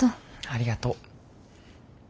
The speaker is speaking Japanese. ありがとう。